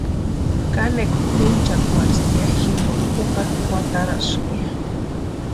Kanekwa kwʼinchakwarhesti ya jimpokani jukari kwataraska ya.